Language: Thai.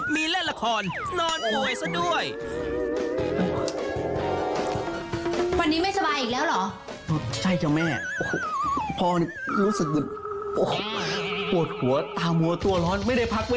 มีเล่นละครนอนป่วยซะด้วย